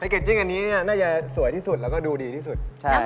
เกจจิ้งอันนี้น่าจะสวยที่สุดแล้วก็ดูดีที่สุด